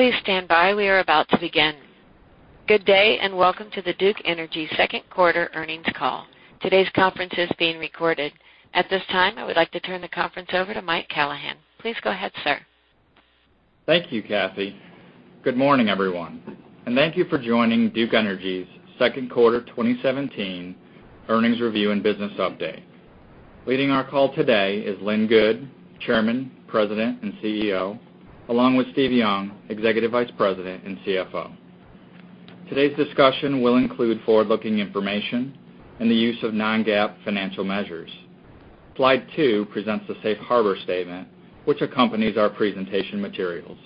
Please stand by. We are about to begin. Good day, and welcome to the Duke Energy second quarter earnings call. Today's conference is being recorded. At this time, I would like to turn the conference over to Michael Callahan. Please go ahead, sir. Thank you, Cathy. Good morning, everyone, and thank you for joining Duke Energy's second quarter 2017 earnings review and business update. Leading our call today is Lynn Good, Chairman, President, and CEO, along with Steve Young, Executive Vice President and CFO. Today's discussion will include forward-looking information and the use of non-GAAP financial measures. Slide two presents the safe harbor statement which accompanies our presentation materials.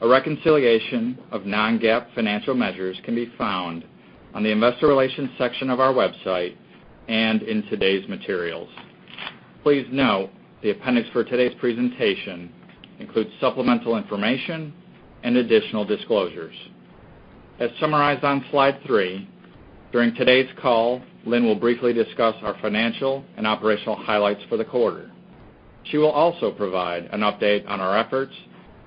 A reconciliation of non-GAAP financial measures can be found on the investor relations section of our website and in today's materials. Please note the appendix for today's presentation includes supplemental information and additional disclosures. As summarized on slide three, during today's call, Lynn will briefly discuss our financial and operational highlights for the quarter. She will also provide an update on our efforts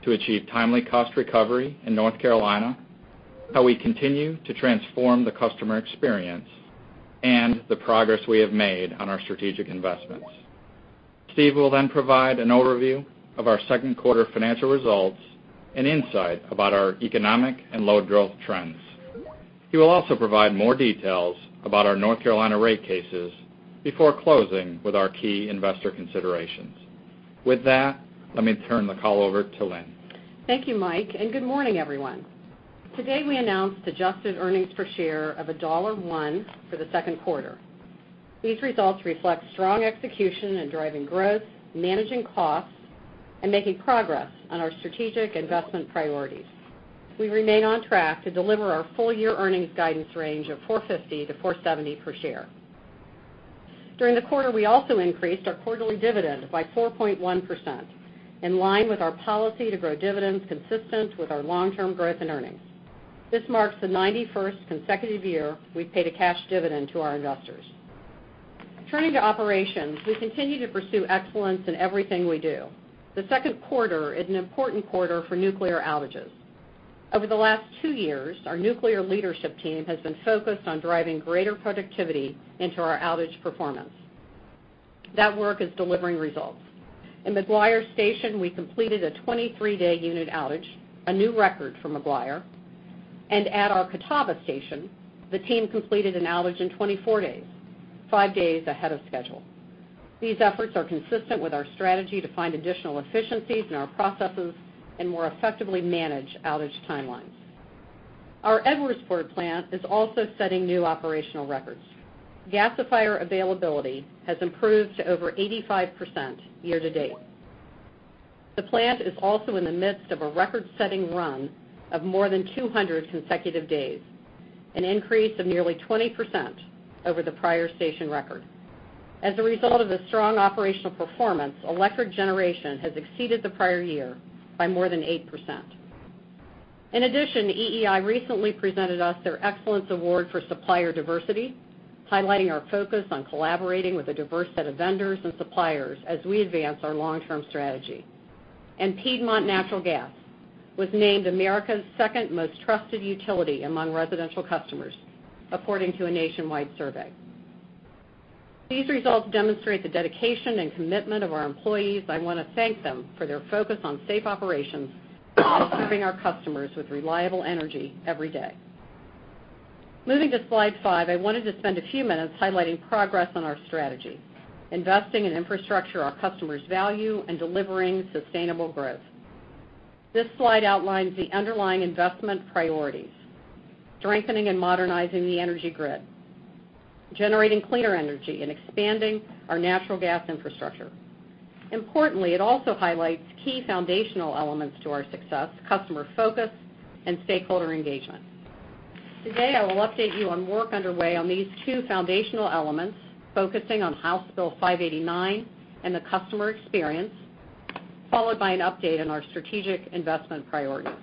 to achieve timely cost recovery in North Carolina, how we continue to transform the customer experience, and the progress we have made on our strategic investments. Steve will then provide an overview of our second quarter financial results and insight about our economic and load growth trends. He will also provide more details about our North Carolina rate cases before closing with our key investor considerations. With that, let me turn the call over to Lynn. Thank you, Mike, and good morning, everyone. Today, we announced adjusted earnings per share of $1.01 for the second quarter. These results reflect strong execution in driving growth, managing costs, and making progress on our strategic investment priorities. We remain on track to deliver our full-year earnings guidance range of $4.50 to $4.70 per share. During the quarter, we also increased our quarterly dividend by 4.1%, in line with our policy to grow dividends consistent with our long-term growth and earnings. This marks the 91st consecutive year we've paid a cash dividend to our investors. Turning to operations, we continue to pursue excellence in everything we do. The second quarter is an important quarter for nuclear outages. Over the last two years, our nuclear leadership team has been focused on driving greater productivity into our outage performance. That work is delivering results. In McGuire Station, we completed a 23-day unit outage, a new record for McGuire. At our Catawba station, the team completed an outage in 24 days, five days ahead of schedule. These efforts are consistent with our strategy to find additional efficiencies in our processes and more effectively manage outage timelines. Our Edwardsport plant is also setting new operational records. Gasifier availability has improved to over 85% year to date. The plant is also in the midst of a record-setting run of more than 200 consecutive days, an increase of nearly 20% over the prior station record. As a result of the strong operational performance, electric generation has exceeded the prior year by more than 8%. In addition, EEI recently presented us their Excellence Award for Supplier Diversity, highlighting our focus on collaborating with a diverse set of vendors and suppliers as we advance our long-term strategy. Piedmont Natural Gas was named America's second most trusted utility among residential customers, according to a nationwide survey. These results demonstrate the dedication and commitment of our employees. I want to thank them for their focus on safe operations and serving our customers with reliable energy every day. Moving to slide five, I wanted to spend a few minutes highlighting progress on our strategy, investing in infrastructure our customers value, and delivering sustainable growth. This slide outlines the underlying investment priorities, strengthening and modernizing the energy grid, generating cleaner energy, and expanding our natural gas infrastructure. Importantly, it also highlights key foundational elements to our success, customer focus and stakeholder engagement. Today, I will update you on work underway on these two foundational elements, focusing on House Bill 589 and the customer experience, followed by an update on our strategic investment priorities.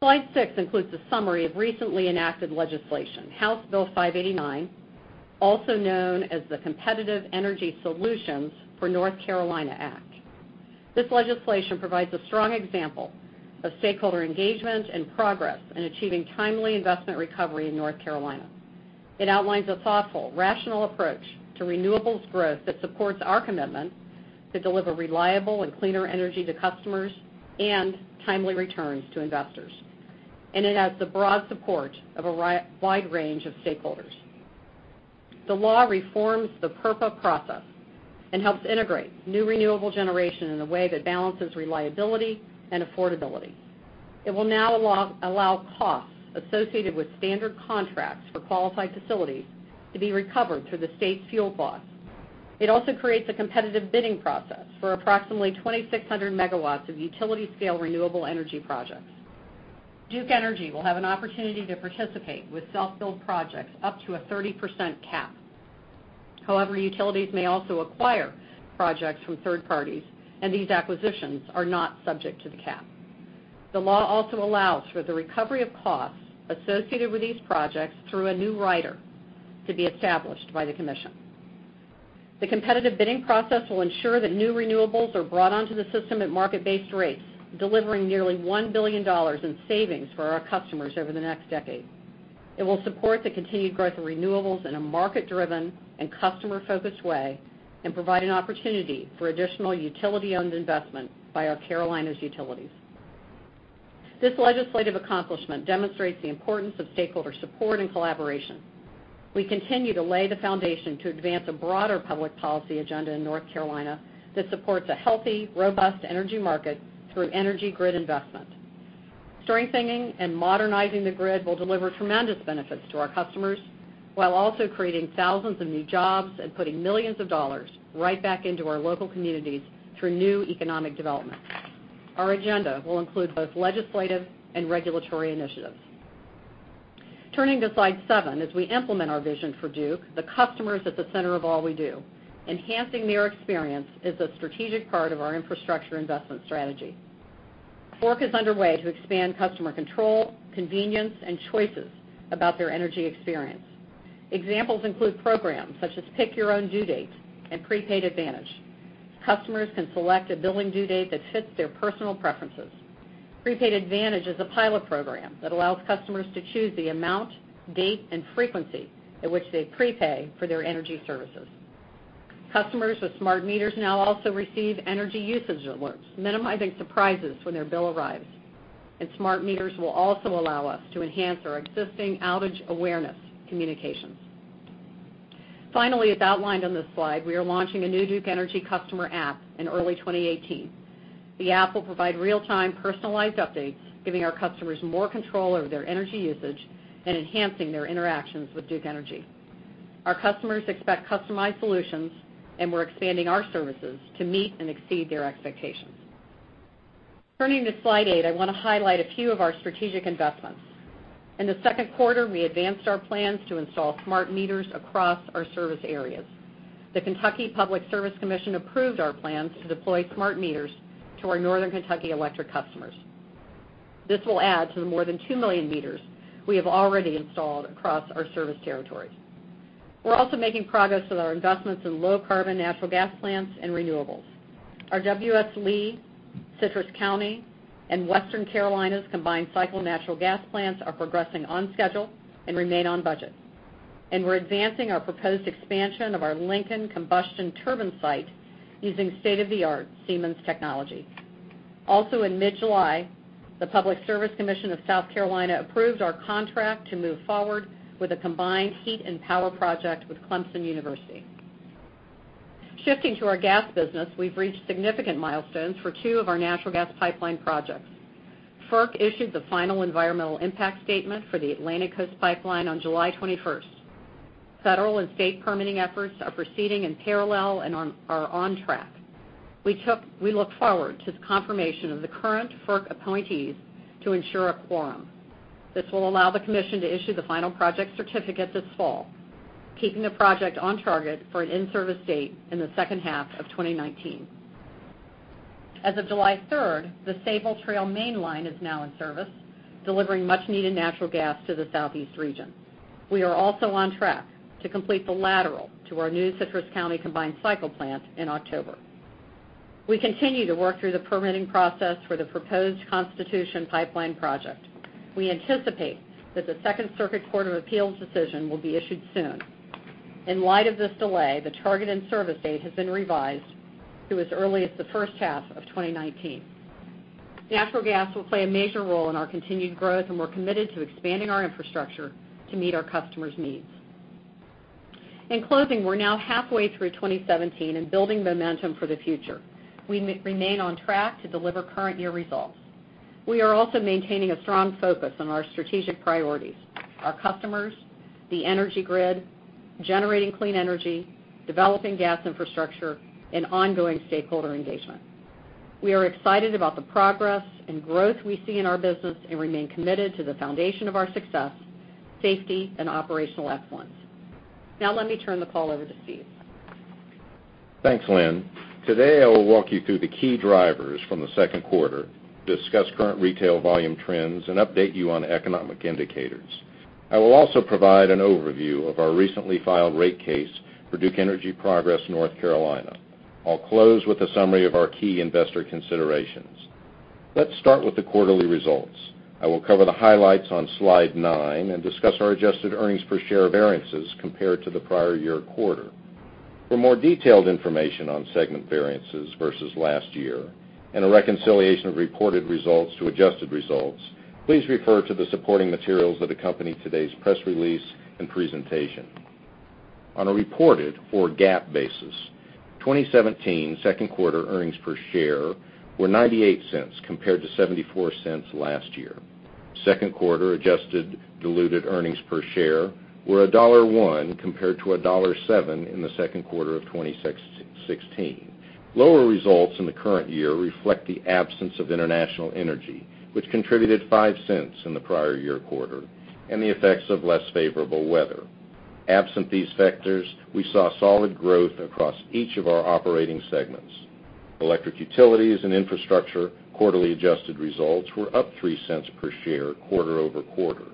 Slide six includes a summary of recently enacted legislation, House Bill 589, also known as the Competitive Energy Solutions for North Carolina Act. This legislation provides a strong example of stakeholder engagement and progress in achieving timely investment recovery in North Carolina. It outlines a thoughtful, rational approach to renewables growth that supports our commitment to deliver reliable and cleaner energy to customers and timely returns to investors. It has the broad support of a wide range of stakeholders. The law reforms the PURPA process and helps integrate new renewable generation in a way that balances reliability and affordability. It will now allow costs associated with standard contracts for qualified facilities to be recovered through the state's fuel cost. It also creates a competitive bidding process for approximately 2,600 megawatts of utility-scale renewable energy projects. Duke Energy will have an opportunity to participate with self-build projects up to a 30% cap. However, utilities may also acquire projects from third parties, and these acquisitions are not subject to the cap. The law also allows for the recovery of costs associated with these projects through a new rider to be established by the commission. The competitive bidding process will ensure that new renewables are brought onto the system at market-based rates, delivering nearly $1 billion in savings for our customers over the next decade. It will support the continued growth of renewables in a market-driven and customer-focused way and provide an opportunity for additional utility-owned investment by our Carolinas utilities. This legislative accomplishment demonstrates the importance of stakeholder support and collaboration. We continue to lay the foundation to advance a broader public policy agenda in North Carolina that supports a healthy, robust energy market through energy grid investment. Strengthening and modernizing the grid will deliver tremendous benefits to our customers while also creating thousands of new jobs and putting $ millions right back into our local communities through new economic development. Our agenda will include both legislative and regulatory initiatives. Turning to slide seven, as we implement our vision for Duke, the customer is at the center of all we do. Enhancing their experience is a strategic part of our infrastructure investment strategy. Work is underway to expand customer control, convenience, and choices about their energy experience. Examples include programs such as Pick Your Own Due Date and Prepaid Advantage. Customers can select a billing due date that fits their personal preferences. Prepaid Advantage is a pilot program that allows customers to choose the amount, date, and frequency at which they prepay for their energy services. Customers with smart meters now also receive energy usage alerts, minimizing surprises when their bill arrives. Smart meters will also allow us to enhance our existing outage awareness communications. Finally, as outlined on this slide, we are launching a new Duke Energy customer app in early 2018. The app will provide real-time personalized updates, giving our customers more control over their energy usage and enhancing their interactions with Duke Energy. Our customers expect customized solutions, and we're expanding our services to meet and exceed their expectations. Turning to slide eight, I want to highlight a few of our strategic investments. In the second quarter, we advanced our plans to install smart meters across our service areas. The Kentucky Public Service Commission approved our plans to deploy smart meters to our Northern Kentucky electric customers. This will add to the more than 2 million meters we have already installed across our service territories. We're also making progress with our investments in low-carbon natural gas plants and renewables. Our W.S. Lee, Citrus County, and Western Carolinas' combined cycle natural gas plants are progressing on schedule and remain on budget. We're advancing our proposed expansion of our Lincoln combustion turbine site using state-of-the-art Siemens technology. Also, in mid-July, the Public Service Commission of South Carolina approved our contract to move forward with a combined heat and power project with Clemson University. Shifting to our gas business, we've reached significant milestones for two of our natural gas pipeline projects. FERC issued the final environmental impact statement for the Atlantic Coast Pipeline on July 21st. Federal and state permitting efforts are proceeding in parallel and are on track. We look forward to the confirmation of the current FERC appointees to ensure a quorum. This will allow the commission to issue the final project certificates this fall, keeping the project on target for an in-service date in the second half of 2019. As of July 3rd, the Sabal Trail mainline is now in service, delivering much-needed natural gas to the Southeast region. We are also on track to complete the lateral to our new Citrus County combined cycle plant in October. We continue to work through the permitting process for the proposed Constitution Pipeline project. We anticipate that the Second Circuit Court of Appeals decision will be issued soon. In light of this delay, the target in-service date has been revised to as early as the first half of 2019. Natural gas will play a major role in our continued growth, and we're committed to expanding our infrastructure to meet our customers' needs. In closing, we're now halfway through 2017 and building momentum for the future. We remain on track to deliver current year results. We are also maintaining a strong focus on our strategic priorities: our customers, the energy grid, generating clean energy, developing gas infrastructure, and ongoing stakeholder engagement. We are excited about the progress and growth we see in our business and remain committed to the foundation of our success, safety, and operational excellence. Now let me turn the call over to Steve. Thanks, Lynn. Today, I will walk you through the key drivers from the second quarter, discuss current retail volume trends, and update you on economic indicators. I will also provide an overview of our recently filed rate case for Duke Energy Progress North Carolina. I'll close with a summary of our key investor considerations. Let's start with the quarterly results. I will cover the highlights on slide nine and discuss our adjusted earnings per share variances compared to the prior year quarter. For more detailed information on segment variances versus last year and a reconciliation of reported results to adjusted results, please refer to the supporting materials that accompany today's press release and presentation. On a reported or GAAP basis, 2017 second quarter earnings per share were $0.98 compared to $0.74 last year. Second quarter adjusted diluted earnings per share were $1.01 compared to $1.07 in the second quarter of 2016. Lower results in the current year reflect the absence of international energy, which contributed $0.05 in the prior year quarter, and the effects of less favorable weather. Absent these factors, we saw solid growth across each of our operating segments. Electric utilities and infrastructure quarterly adjusted results were up $0.03 per share quarter-over-quarter.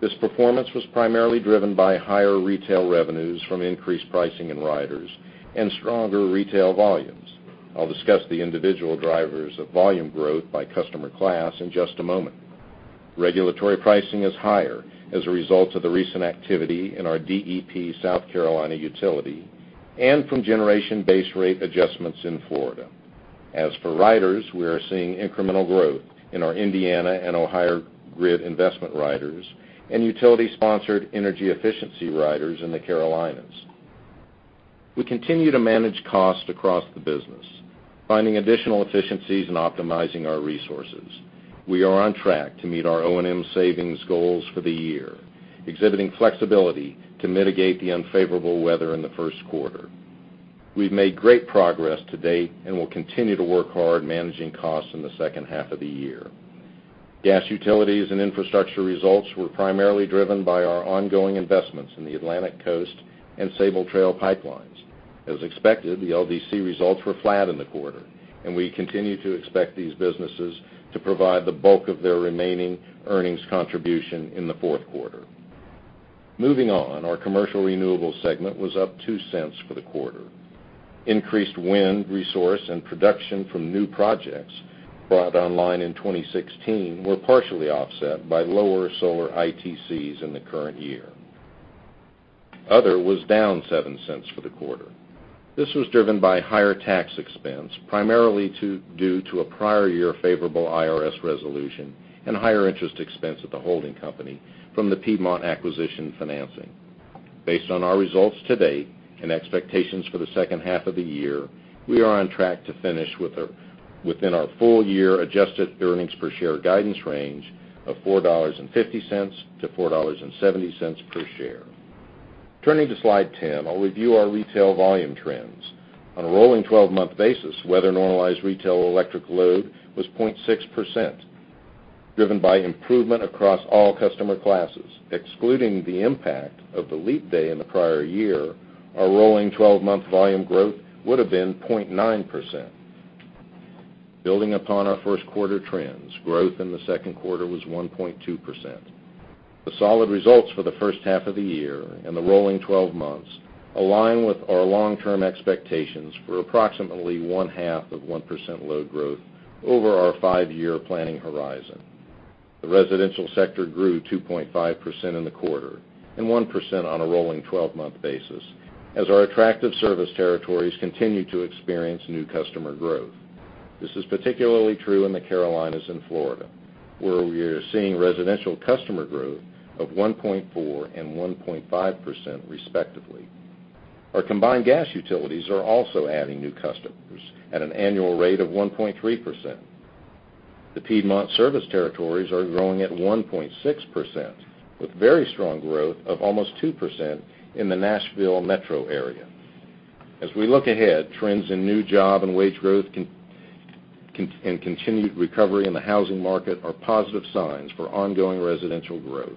This performance was primarily driven by higher retail revenues from increased pricing in riders and stronger retail volumes. I'll discuss the individual drivers of volume growth by customer class in just a moment. Regulatory pricing is higher as a result of the recent activity in our DEP South Carolina utility and from generation base rate adjustments in Florida. As for riders, we are seeing incremental growth in our Indiana and Ohio grid investment riders and utility-sponsored energy efficiency riders in the Carolinas. We continue to manage costs across the business, finding additional efficiencies and optimizing our resources. We are on track to meet our O&M savings goals for the year, exhibiting flexibility to mitigate the unfavorable weather in the first quarter. We've made great progress to date and will continue to work hard managing costs in the second half of the year. Gas utilities and infrastructure results were primarily driven by our ongoing investments in the Atlantic Coast and Sabal Trail pipelines. As expected, the LDC results were flat in the quarter, and we continue to expect these businesses to provide the bulk of their remaining earnings contribution in the fourth quarter. Moving on, our commercial renewables segment was up $0.02 for the quarter. Increased wind resource and production from new projects brought online in 2016 were partially offset by lower solar ITCs in the current year. Other was down $0.07 for the quarter. This was driven by higher tax expense, primarily due to a prior year favorable IRS resolution and higher interest expense at the holding company from the Piedmont acquisition financing. Based on our results to date and expectations for the second half of the year, we are on track to finish within our full year adjusted earnings per share guidance range of $4.50-$4.70 per share. Turning to slide 10, I'll review our retail volume trends. On a rolling 12-month basis, weather-normalized retail electric load was 0.6%, driven by improvement across all customer classes. Excluding the impact of the leap day in the prior year, our rolling 12-month volume growth would have been 0.9%. Building upon our first quarter trends, growth in the second quarter was 1.2%. The solid results for the first half of the year and the rolling 12-months align with our long-term expectations for approximately one-half of 1% load growth over our five-year planning horizon. The residential sector grew 2.5% in the quarter and 1% on a rolling 12-month basis, as our attractive service territories continue to experience new customer growth. This is particularly true in the Carolinas and Florida, where we are seeing residential customer growth of 1.4% and 1.5% respectively. Our combined gas utilities are also adding new customers at an annual rate of 1.3%. The Piedmont service territories are growing at 1.6%, with very strong growth of almost 2% in the Nashville metro area. As we look ahead, trends in new job and wage growth and continued recovery in the housing market are positive signs for ongoing residential growth.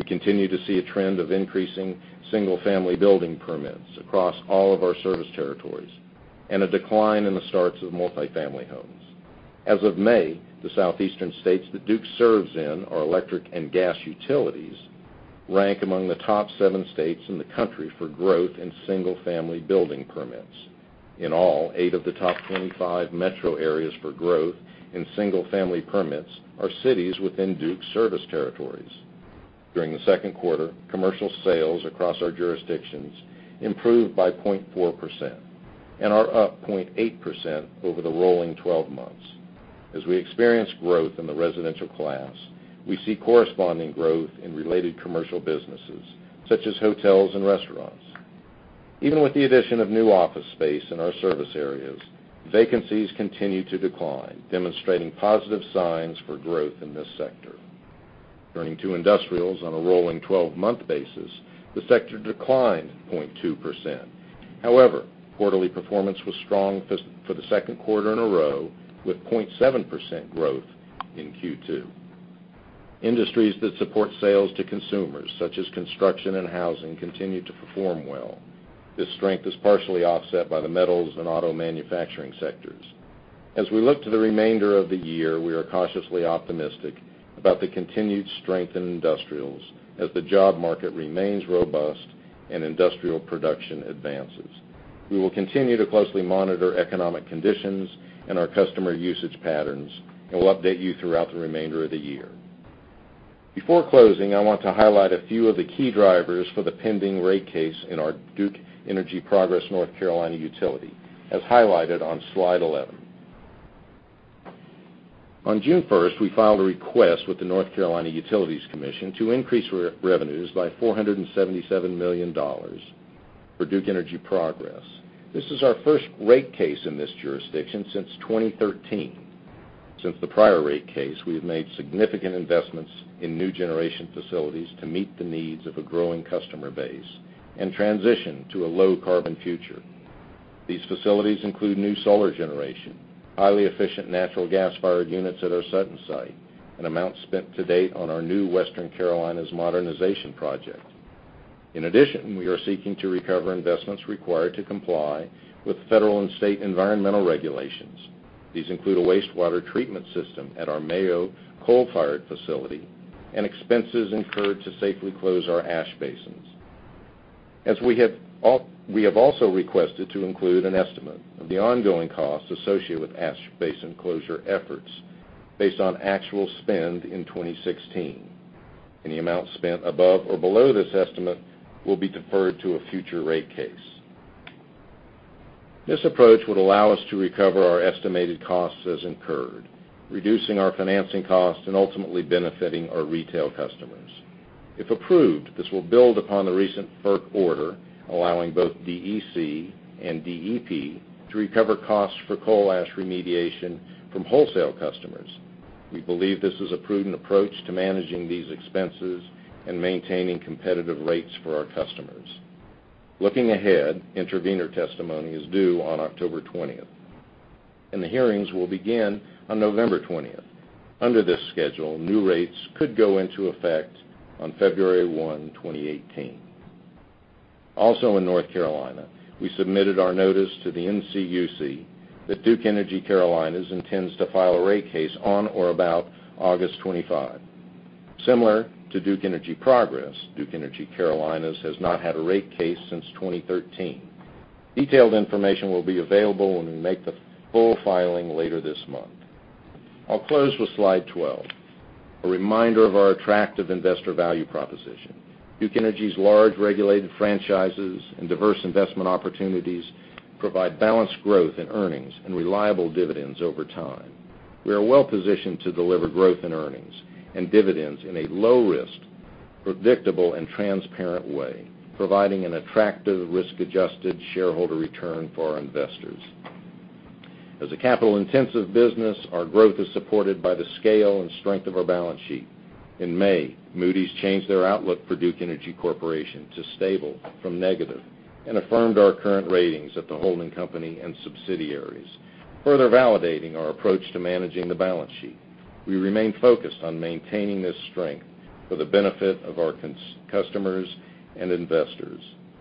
We continue to see a trend of increasing single-family building permits across all of our service territories and a decline in the starts of multifamily homes. As of May, the southeastern states that Duke serves in our electric and gas utilities rank among the top seven states in the country for growth in single-family building permits. In all, eight of the top 25 metro areas for growth in single-family permits are cities within Duke's service territories. During the second quarter, commercial sales across our jurisdictions improved by 0.4% and are up 0.8% over the rolling 12-months. As we experience growth in the residential class, we see corresponding growth in related commercial businesses such as hotels and restaurants. Even with the addition of new office space in our service areas, vacancies continue to decline, demonstrating positive signs for growth in this sector. Turning to industrials on a rolling 12-month basis, the sector declined 0.2%. However, quarterly performance was strong for the second quarter in a row, with 0.7% growth in Q2. Industries that support sales to consumers, such as construction and housing, continue to perform well. This strength is partially offset by the metals and auto manufacturing sectors. As we look to the remainder of the year, we are cautiously optimistic about the continued strength in industrials as the job market remains robust and industrial production advances. We will continue to closely monitor economic conditions and our customer usage patterns, and we'll update you throughout the remainder of the year. Before closing, I want to highlight a few of the key drivers for the pending rate case in our Duke Energy Progress North Carolina utility, as highlighted on slide 11. On June 1st, we filed a request with the North Carolina Utilities Commission to increase revenues by $477 million for Duke Energy Progress. This is our first rate case in this jurisdiction since 2013. Since the prior rate case, we have made significant investments in new generation facilities to meet the needs of a growing customer base and transition to a low-carbon future. These facilities include new solar generation, highly efficient natural gas-fired units at our Sutton site, and amounts spent to date on our new Western Carolinas Modernization Project. In addition, we are seeking to recover investments required to comply with federal and state environmental regulations. These include a wastewater treatment system at our Mayo coal-fired facility and expenses incurred to safely close our ash basins. We have also requested to include an estimate of the ongoing costs associated with ash basin closure efforts based on actual spend in 2016. Any amount spent above or below this estimate will be deferred to a future rate case. This approach would allow us to recover our estimated costs as incurred, reducing our financing costs and ultimately benefiting our retail customers. If approved, this will build upon the recent FERC order, allowing both DEC and DEP to recover costs for coal ash remediation from wholesale customers. We believe this is a prudent approach to managing these expenses and maintaining competitive rates for our customers. Looking ahead, intervener testimony is due on October 20th, and the hearings will begin on November 20th. Under this schedule, new rates could go into effect on February 1, 2018. In North Carolina, we submitted our notice to the NCUC that Duke Energy Carolinas intends to file a rate case on or about August 25. Similar to Duke Energy Progress, Duke Energy Carolinas has not had a rate case since 2013. Detailed information will be available when we make the full filing later this month. I'll close with slide 12, a reminder of our attractive investor value proposition. Duke Energy's large regulated franchises and diverse investment opportunities provide balanced growth in earnings and reliable dividends over time. We are well-positioned to deliver growth in earnings and dividends in a low-risk, predictable, and transparent way, providing an attractive risk-adjusted shareholder return for our investors. As a capital-intensive business, our growth is supported by the scale and strength of our balance sheet. In May, Moody's changed their outlook for Duke Energy Corporation to stable from negative and affirmed our current ratings at the holding company and subsidiaries, further validating our approach to managing the balance sheet. We remain focused on maintaining this strength for the benefit of our customers and investors.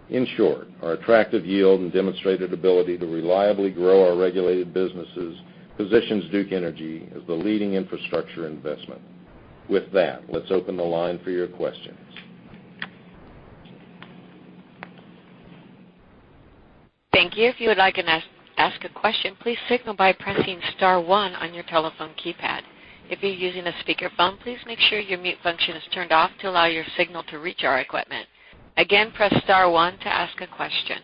In short, our attractive yield and demonstrated ability to reliably grow our regulated businesses positions Duke Energy as the leading infrastructure investment. With that, let's open the line for your questions. Thank you. If you would like to ask a question, please signal by pressing *1 on your telephone keypad. If you're using a speakerphone, please make sure your mute function is turned off to allow your signal to reach our equipment. Again, press *1 to ask a question.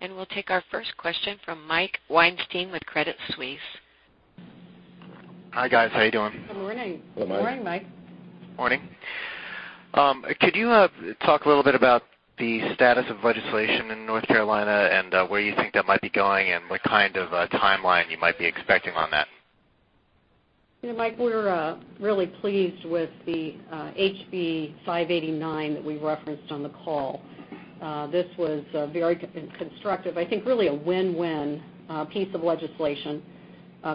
We'll take our first question from Michael Weinstein with Credit Suisse. Hi, guys. How you doing? Good morning. Hello, Mike. Morning, Mike. Morning. Could you talk a little bit about the status of legislation in North Carolina and where you think that might be going and what kind of a timeline you might be expecting on that? Mike, we're really pleased with the HB 589 that we referenced on the call. This was very constructive, I think really a win-win piece of legislation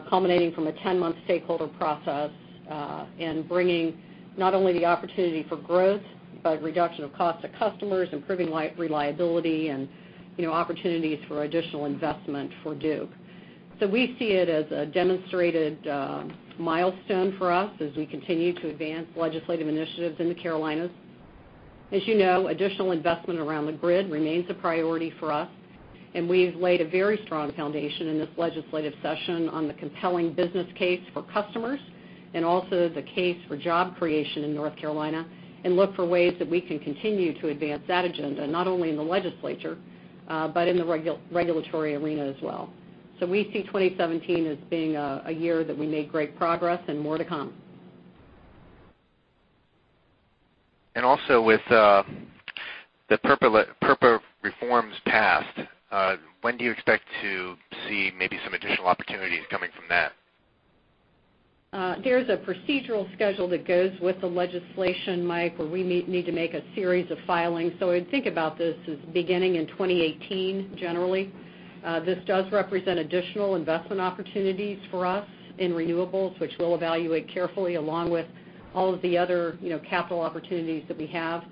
culminating from a 10-month stakeholder process, and bringing not only the opportunity for growth, but reduction of cost to customers, improving reliability, and opportunities for additional investment for Duke. We see it as a demonstrated milestone for us as we continue to advance legislative initiatives in the Carolinas. As you know, additional investment around the grid remains a priority for us, and we've laid a very strong foundation in this legislative session on the compelling business case for customers and also the case for job creation in North Carolina and look for ways that we can continue to advance that agenda, not only in the legislature, but in the regulatory arena as well. We see 2017 as being a year that we made great progress and more to come. With the PURPA reforms passed, when do you expect to see maybe some additional opportunities coming from that? There's a procedural schedule that goes with the legislation, Mike, where we need to make a series of filings. I'd think about this as beginning in 2018, generally. This does represent additional investment opportunities for us in renewables, which we'll evaluate carefully along with all of the other capital opportunities that we have.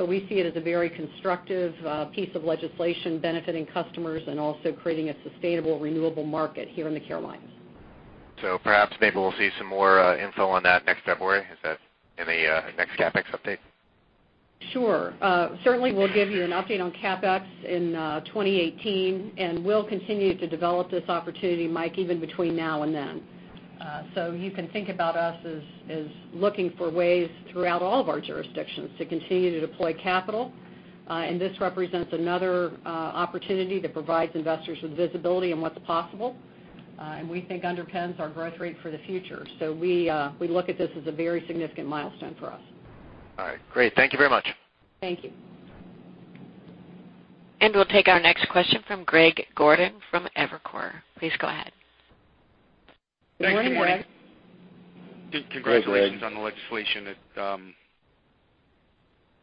We see it as a very constructive piece of legislation benefiting customers and also creating a sustainable renewable market here in the Carolinas. Perhaps maybe we'll see some more info on that next February. Is that in the next CapEx update? Sure. Certainly, we'll give you an update on CapEx in 2018, and we'll continue to develop this opportunity, Mike, even between now and then. You can think about us as looking for ways throughout all of our jurisdictions to continue to deploy capital. This represents another opportunity that provides investors with visibility on what's possible, and we think underpins our growth rate for the future. We look at this as a very significant milestone for us. All right. Great. Thank you very much. Thank you. We'll take our next question from Greg Gordon from Evercore. Please go ahead. Good morning. Good morning. Congratulations on the legislation. It's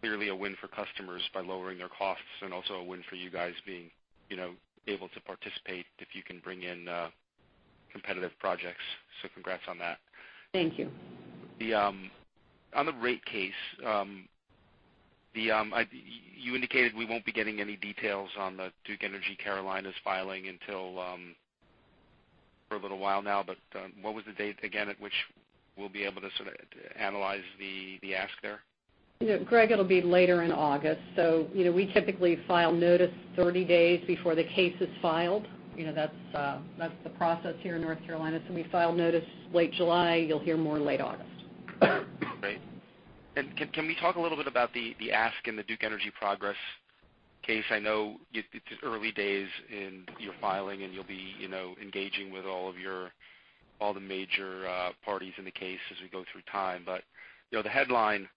clearly a win for customers by lowering their costs and also a win for you guys being able to participate if you can bring in competitive projects. congrats on that. Thank you. On the rate case, you indicated we won't be getting any details on the Duke Energy Carolinas filing until for a little while now, what was the date again at which we'll be able to sort of analyze the ask there? Greg, it'll be later in August. We typically file notice 30 days before the case is filed. That's the process here in North Carolina. We file notice late July. You'll hear more late August. Great. Can we talk a little bit about the ask in the Duke Energy Progress case? I know it's early days in your filing, and you'll be engaging with all the major parties in the case as we go through time. The headline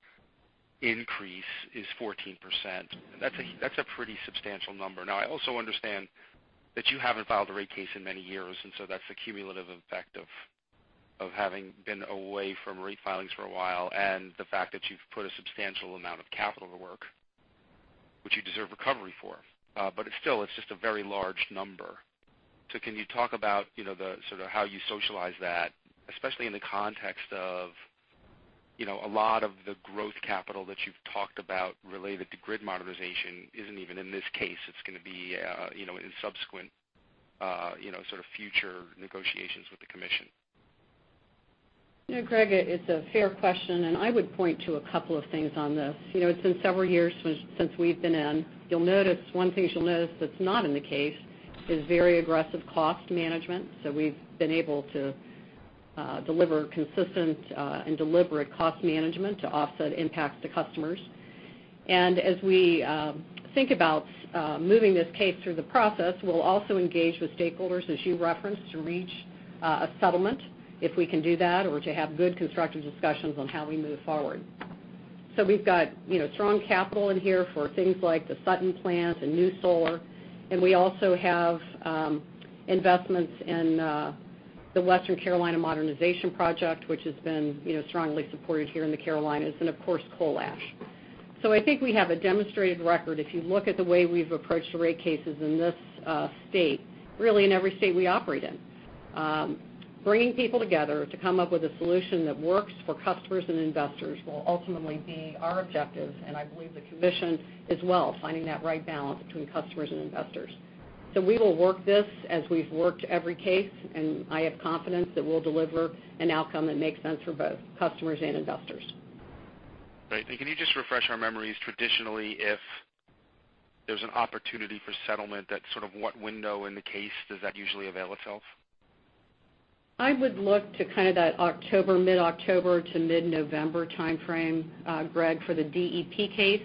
increase is 14%, and that's a pretty substantial number. I also understand that you haven't filed a rate case in many years, and that's a cumulative effect of having been away from refilings for a while, and the fact that you've put a substantial amount of capital to work, which you deserve recovery for. Still, it's just a very large number. Can you talk about how you socialize that, especially in the context of a lot of the growth capital that you've talked about related to grid modernization isn't even in this case. It's going to be in subsequent future negotiations with the commission. Greg, it's a fair question, and I would point to a couple of things on this. It's been several years since we've been in. One thing you'll notice that's not in the case is very aggressive cost management. We've been able to deliver consistent and deliberate cost management to offset impacts to customers. As we think about moving this case through the process, we'll also engage with stakeholders, as you referenced, to reach a settlement if we can do that or to have good constructive discussions on how we move forward. We've got strong capital in here for things like the Sutton plant and new solar, and we also have investments in the Western Carolinas Modernization Project, which has been strongly supported here in the Carolinas and, of course, coal ash. I think we have a demonstrated record, if you look at the way we've approached the rate cases in this state, really in every state we operate in. Bringing people together to come up with a solution that works for customers and investors will ultimately be our objective, and I believe the commission as well, finding that right balance between customers and investors. We will work this as we've worked every case, and I have confidence that we'll deliver an outcome that makes sense for both customers and investors. Great. Can you just refresh our memories? Traditionally, if there's an opportunity for settlement, at sort of what window in the case does that usually avail itself? I would look to kind of that mid-October to mid-November timeframe, Greg, for the DEP case.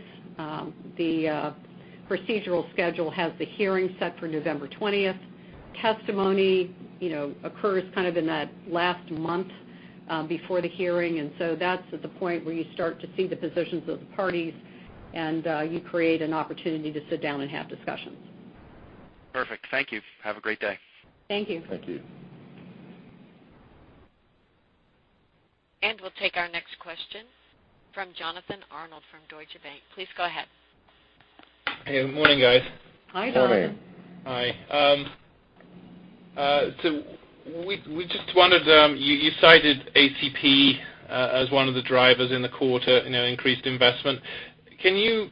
The procedural schedule has the hearing set for November 20th. Testimony occurs kind of in that last month before the hearing, that's at the point where you start to see the positions of the parties, you create an opportunity to sit down and have discussions. Perfect. Thank you. Have a great day. Thank you. Thank you. We'll take our next question from Jonathan Arnold from Deutsche Bank. Please go ahead. Hey, good morning, guys. Hi, Jonathan. Morning. Hi. We just wondered, you cited ACP as one of the drivers in the quarter increased investment. Can you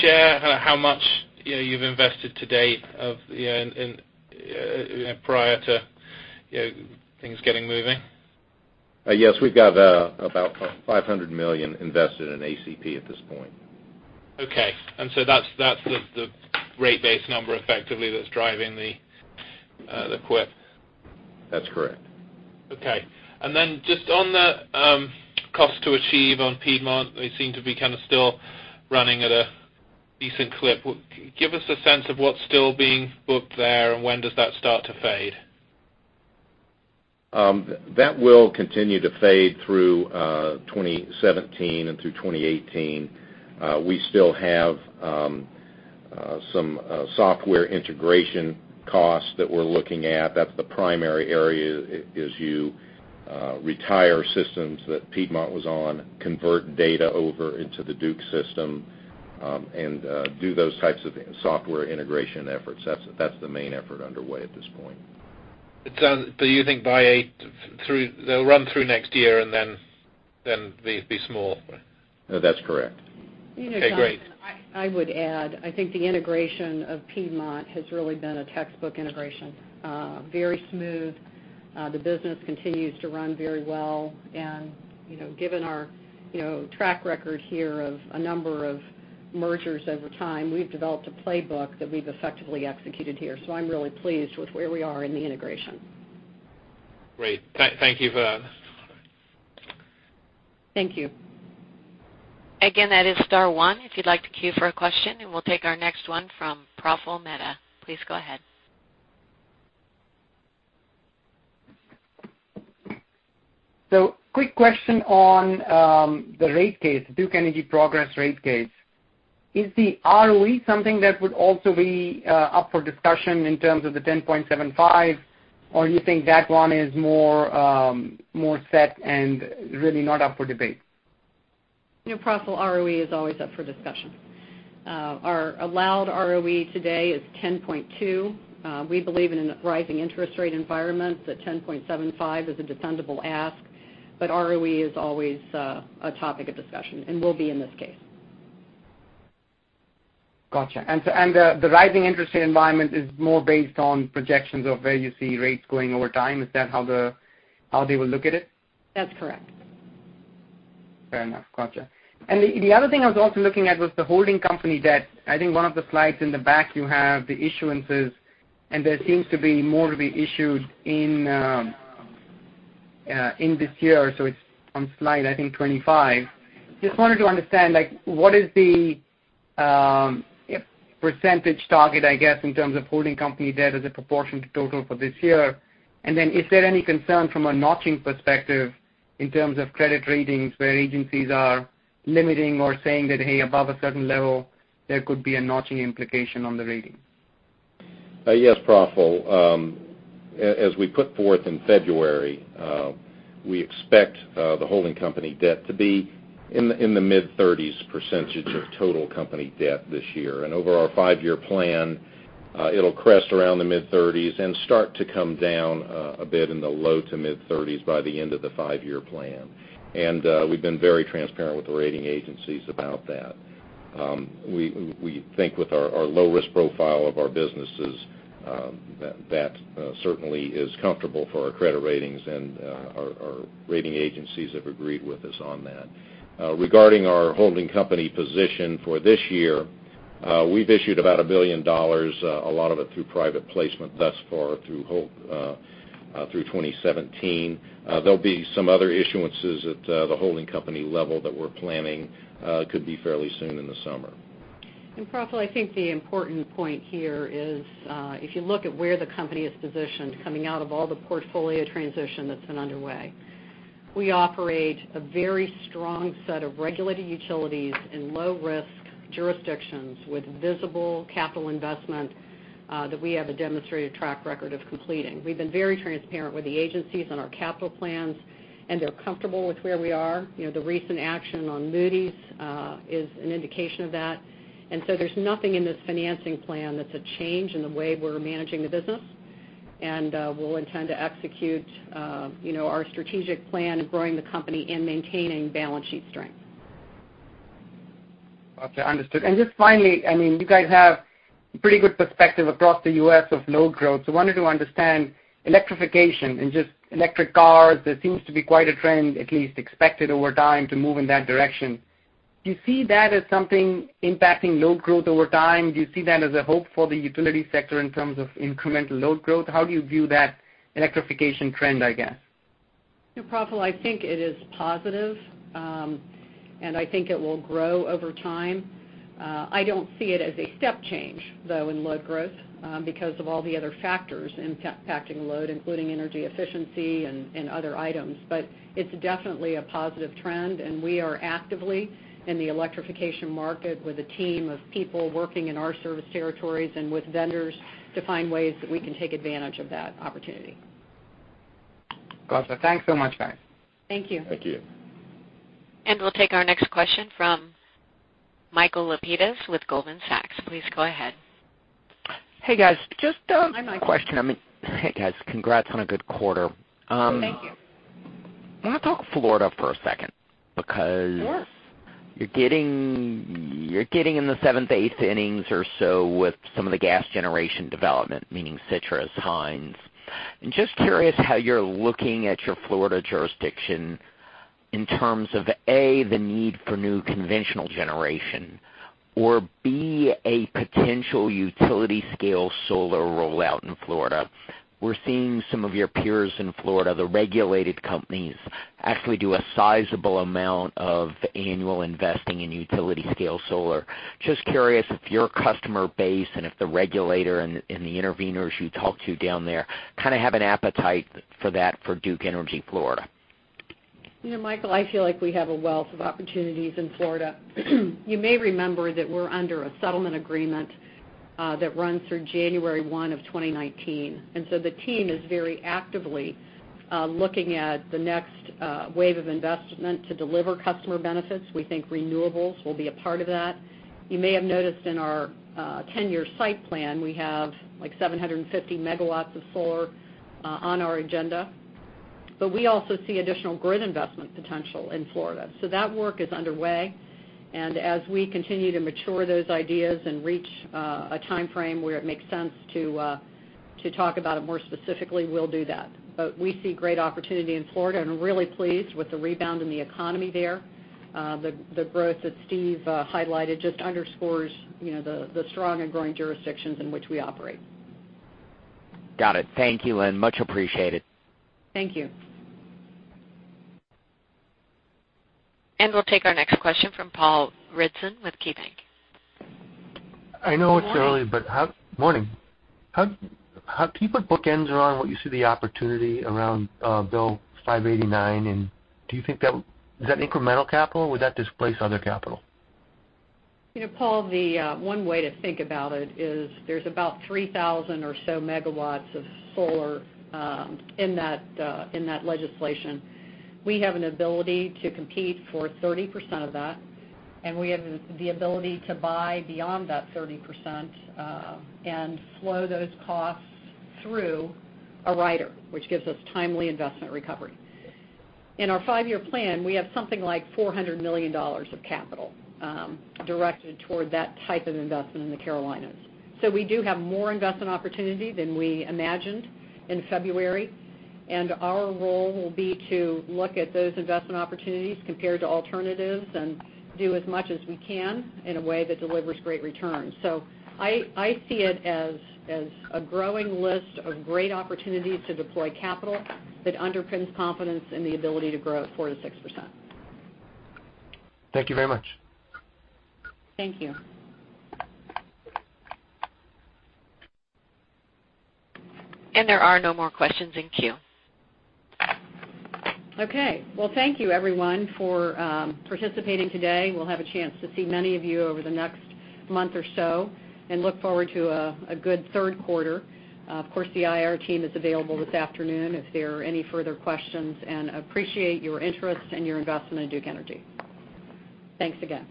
share how much you've invested to date prior to things getting moving? Yes, we've got about $500 million invested in ACP at this point. Okay. That's the rate base number effectively that's driving the equip. That's correct. Okay. Just on the cost to achieve on Piedmont, they seem to be kind of still running at a decent clip. Give us a sense of what's still being booked there, and when does that start to fade? That will continue to fade through 2017 and through 2018. We still have some software integration costs that we're looking at. That's the primary area as you retire systems that Piedmont was on, convert data over into the Duke system, and do those types of software integration efforts. That's the main effort underway at this point. Do you think they'll run through next year and then be small? That's correct. Okay, great. Jonathan, I would add, I think the integration of Piedmont has really been a textbook integration. Very smooth. The business continues to run very well. Given our track record here of a number of mergers over time, we've developed a playbook that we've effectively executed here. I'm really pleased with where we are in the integration. Great. Thank you for that. Thank you. That is star one if you'd like to queue for a question, we'll take our next one from Praful Mehta. Please go ahead. Quick question on the rate case, Duke Energy Progress rate case. Is the ROE something that would also be up for discussion in terms of the 10.75, or you think that one is more set and really not up for debate? Praful, ROE is always up for discussion. Our allowed ROE today is 10.2. We believe in a rising interest rate environment that 10.75 is a defendable ask, ROE is always a topic of discussion and will be in this case. Got you. The rising interest rate environment is more based on projections of where you see rates going over time. Is that how they will look at it? That's correct. Fair enough. Got you. The other thing I was also looking at was the holding company debt. I think one of the slides in the back, you have the issuances, and there seems to be more to be issued in this year. It's on slide, I think, 25. Just wanted to understand, what is the % target, I guess, in terms of holding company debt as a proportion to total for this year? Then is there any concern from a notching perspective in terms of credit ratings where agencies are limiting or saying that, "Hey, above a certain level, there could be a notching implication on the ratings. Yes, Praful. As we put forth in February, we expect the holding company debt to be in the mid-30s % of total company debt this year. Over our five-year plan, it'll crest around the mid-30s and start to come down a bit in the low to mid-30s by the end of the five-year plan. We've been very transparent with the rating agencies about that. We think with our low risk profile of our businesses, that certainly is comfortable for our credit ratings, and our rating agencies have agreed with us on that. Regarding our holding company position for this year, we've issued about $1 billion, a lot of it through private placement thus far through 2017. There'll be some other issuances at the holding company level that we're planning could be fairly soon in the summer. Praful, I think the important point here is, if you look at where the company is positioned coming out of all the portfolio transition that's been underway, we operate a very strong set of regulated utilities in low-risk jurisdictions with visible capital investment that we have a demonstrated track record of completing. We've been very transparent with the agencies on our capital plans. They're comfortable with where we are. The recent action on Moody's is an indication of that. There's nothing in this financing plan that's a change in the way we're managing the business. We'll intend to execute our strategic plan of growing the company and maintaining balance sheet strength. Okay, understood. Just finally, you guys have pretty good perspective across the U.S. of load growth. Wanted to understand electrification and just electric cars. There seems to be quite a trend, at least expected over time, to move in that direction. Do you see that as something impacting load growth over time? Do you see that as a hope for the utility sector in terms of incremental load growth? How do you view that electrification trend, I guess? Praful, I think it is positive, I think it will grow over time. I don't see it as a step change, though, in load growth because of all the other factors impacting load, including energy efficiency and other items. It's definitely a positive trend, we are actively in the electrification market with a team of people working in our service territories with vendors to find ways that we can take advantage of that opportunity. Got it. Thanks so much, guys. Thank you. Thank you. We'll take our next question from Michael Lapides with Goldman Sachs. Please go ahead. Hey, guys. Hi, Mike. One question. Hey, guys. Congrats on a good quarter. Thank you. I want to talk Florida for a second. Sure You're getting in the seventh, eighth innings or so with some of the gas generation development, meaning Citrus, Hines. Just curious how you're looking at your Florida jurisdiction in terms of, A, the need for new conventional generation or, B, a potential utility scale solar rollout in Florida. We're seeing some of your peers in Florida, the regulated companies, actually do a sizable amount of annual investing in utility scale solar. Just curious if your customer base and if the regulator and the interveners you talk to down there have an appetite for that for Duke Energy Florida. Michael, I feel like we have a wealth of opportunities in Florida. You may remember that we're under a settlement agreement that runs through January 1 of 2019. The team is very actively looking at the next wave of investment to deliver customer benefits. We think renewables will be a part of that. You may have noticed in our 10-year site plan, we have 750 megawatts of solar on our agenda. We also see additional grid investment potential in Florida. That work is underway, and as we continue to mature those ideas and reach a time frame where it makes sense to talk about it more specifically, we'll do that. We see great opportunity in Florida and are really pleased with the rebound in the economy there. The growth that Steve highlighted just underscores the strong and growing jurisdictions in which we operate. Got it. Thank you, Lynn. Much appreciated. Thank you. We'll take our next question from Paul Ridzon with KeyBanc. I know it's early, but how- Morning Morning. Can you put bookends around what you see the opportunity around Bill 589, and is that incremental capital, or would that displace other capital? Paul, the one way to think about it is there's about 3,000 or so megawatts of solar in that legislation. We have an ability to compete for 30% of that, and we have the ability to buy beyond that 30% and flow those costs through a rider, which gives us timely investment recovery. In our five-year plan, we have something like $400 million of capital directed toward that type of investment in the Carolinas. We do have more investment opportunity than we imagined in February, and our role will be to look at those investment opportunities compared to alternatives and do as much as we can in a way that delivers great returns. I see it as a growing list of great opportunities to deploy capital that underpins confidence in the ability to grow at 4%-6%. Thank you very much. Thank you. There are no more questions in queue. Okay. Well, thank you everyone for participating today. We'll have a chance to see many of you over the next month or so and look forward to a good third quarter. Of course, the IR team is available this afternoon if there are any further questions, and appreciate your interest and your investment in Duke Energy. Thanks again.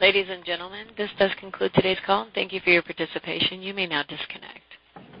Ladies and gentlemen, this does conclude today's call. Thank you for your participation. You may now disconnect.